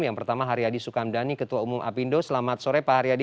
yang pertama haryadi sukamdhani ketua umum apindo selamat sore pak haryadi